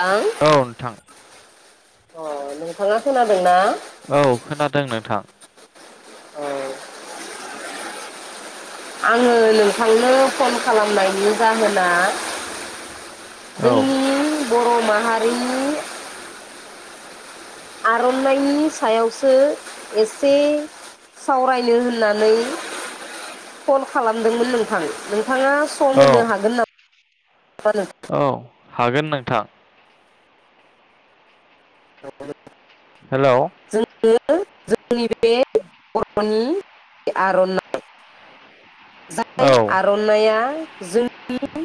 थां औ नोंथां अ नोंथाङा खोनादोंना? औ खोनादों नोंथां औ आङो नोंथांनो फन खालामनायनि जाहोना औ जोंनि बर' माहारिनि आर'नाइनायनि सायावसो एसे सावरायनो होननानै कल खालामदोंमोन नोंथां नोंथाङा सम औ होनो हागोन नामा? नोंथां? औ। हागोन नोंथां। [unintelligible] हेलौ [unintelligible] [unintelligible] आर'नाइ। औ जाय आर'नाइया जोंनि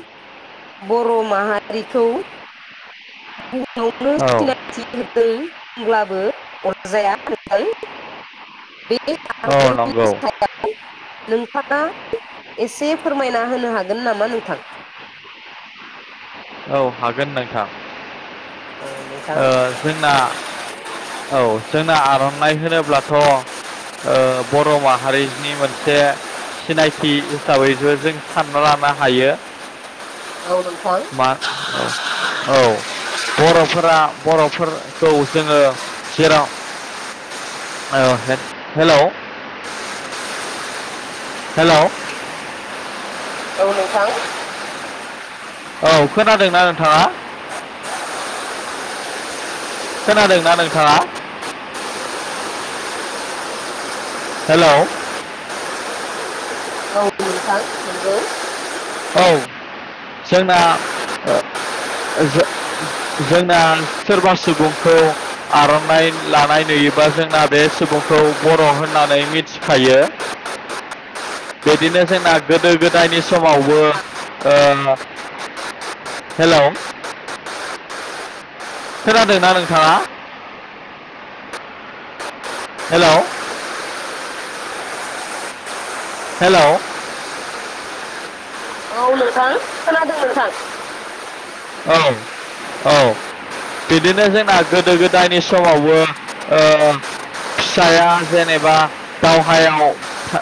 बर' माहारिखौ बुहुमावनो औ सिनायथि होदों होनब्लाबो अरजाया [unintelligible] औ नंगौ। थाङा एसे फोरमायना होनो हागोन नामा नोंथां? औ हागोन नोंथां। औ नोंथां ओ जोंना औ जों आर'नाइ होनोब्लाथ' ओ बर' माहारिनि मोनसे सिनायथि हिसाबैसो जों सानना लानो हायो। औ नों मान औ औ बर'फोरा बर' फोरखौ जोङो जेराव ओ हे-हेलौ हेलौ औ नोंथां। औ खोनादोंना नोंथाङा? खोनादोंना नोंथाङा? हेलौ औ नोंथां हेलौ औ जोंना ओ जो-जोंना सोरबा सुबुंखौ आर'नाइ लानाय नुयोबा जोंना बे सुबुंखौ बर' होननानै मिथिखायो। बिदिनो जोंना गोदो गोदायनि समाव बो ओ हेल' खोनादोंना नोंथाङा? हेलौ हेलौ औ नोंथां खोनादों नोंथां। औ औ बिदिनो जोंना गोदो गोदायनि समावबो ओ फिसाइ आ जेनेबा दावहायाव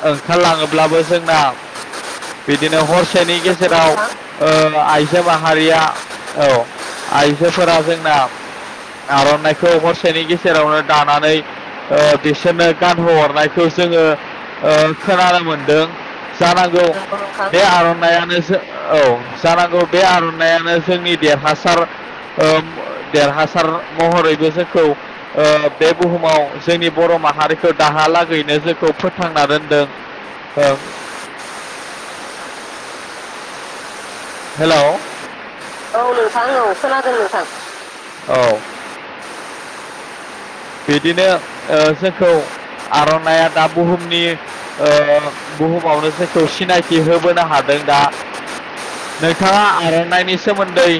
ओंखारलाङोब्लाबो जोंना बिदिनो हरसेनि नंगौ गेजेराव नोंथां ओ आइजो माहारिया औ आइजोफोरा जोंना आर'नाइखौ हरसेनि गेजेरावनो दानानै ओ बिसोरनो गानहोहरनायखौ जोङो ओ खोनानो मोनदों जानांगौ नंगौ नोंथां बे आर'नायानो जो औ जानांगौ बे आर'नाय आनो जोंनि देरहासार औ देरहासार महरैबो जोंखौ ओ बे बुहुमाव जोंनि बर' माहारिखौ दाहालागैनो जोंखौ फोथांना दोनदों औ। हेलौ औ नोंथां औ खोनादों नोंथां औ बिदिनो जोंखौ आरनाइ आ दा बुहुमनि बुहुमावनो जोंखौ सिनायथि होबोनो हादों दा नोंथाङा आरनाइनि सोमोन्दै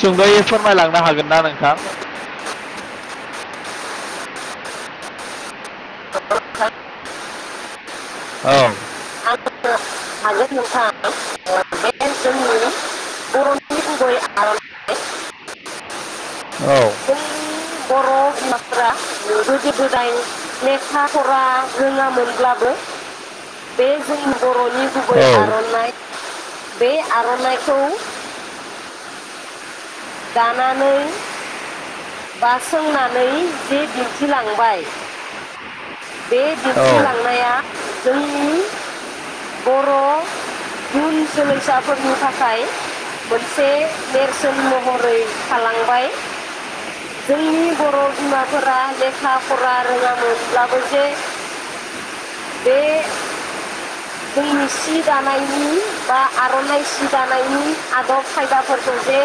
सुंदयै फोरमायलांनो हागोन ना नोंथां? औ आं हागोन नोंथां। बे जोंनि बर'नि गुबै आर'नाइ औ जोंनि गोदो-गोदाय लेखा फरा रोङामोनब्लाबो बे जोंनि बर'नि गुबै औ आरनाइ बे आरनाइखौ दानानै बा सोंनानै जे दिन्थिलांबाय बे औ [unintelligible] जोंनि बर' इयुन जोलैसाफोरनि थाखाय मोनसे नेरसोन महर महरै थालांबाय जोंनि बर' बिमाफोरा लेखा फरा रोङामोनब्लाबो जे बे जोंनि सि दानायनि बा आरनाइ सि दानायनि आदब खायदाफोरखौ जे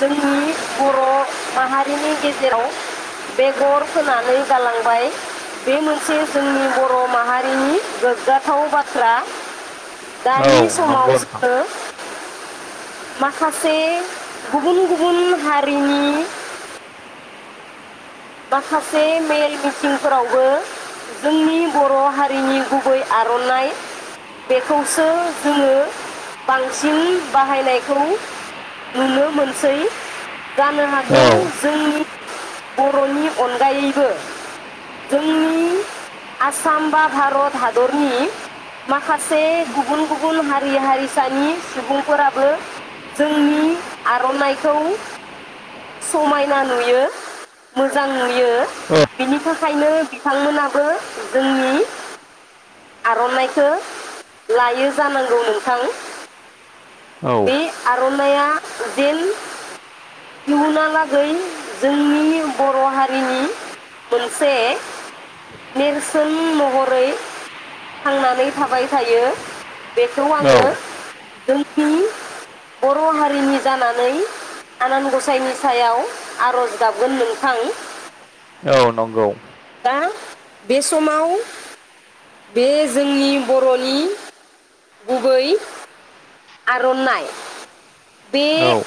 जोंनि बर' माहारिनि गेजेराव बेगर फोनानै गालांबाय बे मोनसे जोंनि बर माहारिनि गोग्गाथाव बाथ्रा। औ दानि समाव नंगौ नोंथां जोङो मा [unintelligible] गुबुन-गुबुन हारिनि माखासे मेल मिथिंफोरावबो जोंनि बर' हारिनि गुबै आरनाइ बेखौसो जोङो बांसिन बाहायनायखौ नुनो मोनसै। जानो हागौ औ जोंनि बर'नि अनगायैबो जोंनि आसाम बा भारत हादरनि माखासे गुबुन गुबुन हारि हारिसानि सुबुंफोराबो जोंनि आरनाइखौ समायना नुयो। मोजां नु यो औ बिनि थाखाय ओंखायनो बिथांमोनाबो जोंनि आरनाइखौ लायो जानांगौ नोंथां। औ बे आर आरनाया जेन इयुना लागै जोंनि बर' हारिनि मोनसे नेरसोन महरै थांनानै थाबाय थायो बेखौ आङो औ जोंनि बर' हारिनि जानानै आनान गसाइनि सायाव आरज गाबगोन नों थां औ नंगौ। बे समाव बे जोंनि बरनि गुबै आरनाइ बे औ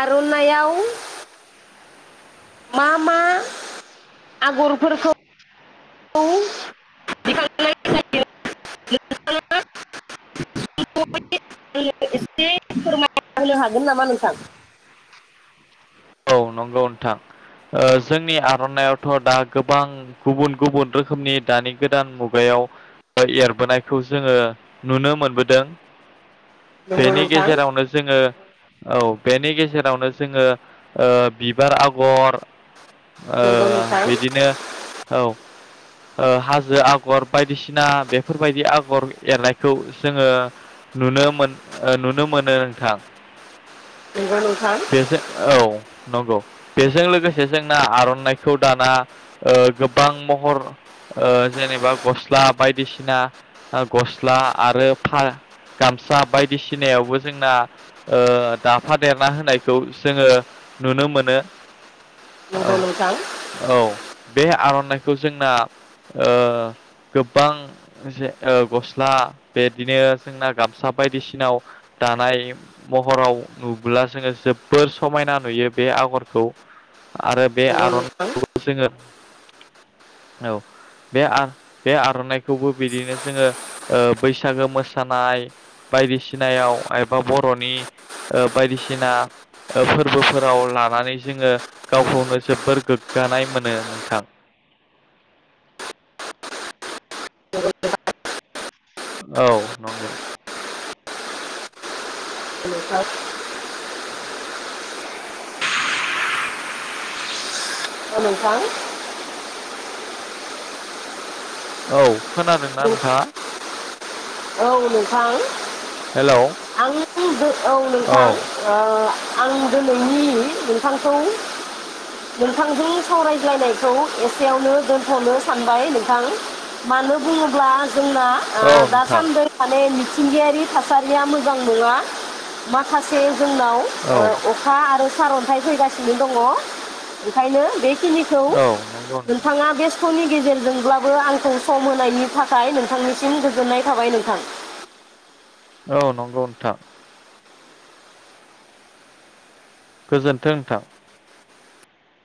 आरनाइआव मा मा आगरफोरखौ [unintelligible] नोंथाङा [unintelligible] एसे फोरमाय होनो हागोन नामा नोंथां? औ नंगौ नोंथां जोंनि आरनाइवावथ दा गोबां गुबुन गुबुन रोखोमनि दानि गोदान मुगायाव एरबोनायखौ जोङो नुनो मोनबोदों। नंगौ बेनि नोंथां गेजेरावनो जोङो औ बेनि गेजेरावनो जोङो ओ बिबार आगर ओ नंगौ नोंथां बिदिनो औ ओ हाजो आगर बायदिसिना बेफोरबायदि आगर एरनायखौ जोङो नुनो मोन ओ नुनो मोनो नोंथां नंगौ नोंथां बेजों औ नंगौ बेजों लोगोसे जोंना आरनाइखौ दाना ओ गोबां महर ओ जेनेबा गस्ला बायदिसिना ओगस्ला आरो फा गामसा बायदिसिनायावबो जोंना दाफादेरना होनायखौ जोङो नुनो मोनो औ नंगौ नोंथां औ बे आरनाइखौ जोंना ओ गोबां से गस्ला बेदिनो जोंना गामसा बायदिसिनाव दानाय महराव नुुब्ला जोङो जोबोर समायना नुयो बे आगरखौ आरो बे नंगौ नोंथां आरनाइखौ जोङो औ बे आर बे आरनाइखौबो बिदिनो जोङो ओ बैसागो मोसानाय बायदिसिनायाव एबा बर'नि ओ बायदिसिना ओ फो फोरबोफोराव लानानै जोङो गावखौनो जोबोर गोग्गानाय मोनो नोंथां औ नंगौ नोंथां [unintelligible] अ नोंथां औ खोनादोंना नोंथाङा औ नोंथां हेलौ [unintelligible] औ नोंथां ओ आं दिनैनि नोंथांखौ नोंथांजों सावरायज्लायनायखौ एसेयावनो दोनथनो सानबाय नोंथां मानो बुङोब्ला जोंना आ औ नोंथां दासान्दै मिथिंगायारि थासारिया मोजां नङा माखासे जोंनाव औ ओ अखा आरो सारअन्थाइ फैगासिनो दङ, ओंखायनो बे खिनिखौ औ नंगौ नोंथां नोंथाङा बे समनि गेजेरजोंब्लाबो आंखौ सम होनायनि थाखाय नोंथांनिसिम गोजोननाय थाबाय नोंथां। औ नंगौ नोंथां गोजोन्थों नोंथां।